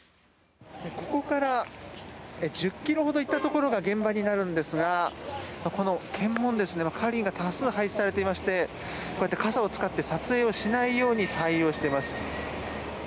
ここから１０ｋｍほど行ったところが現場になるんですがこの検問には係員が多数配置されていましてこうやって傘を使って撮影しないように対応しています。